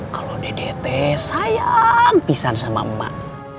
kalau dede teh sayang pisar sama emak